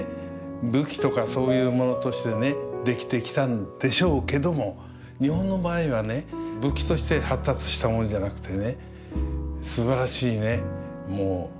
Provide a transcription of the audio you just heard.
武器とかそういうものとしてね出来てきたんでしょうけども日本の場合はね武器として発達したものじゃなくてね